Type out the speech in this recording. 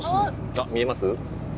あ見えます？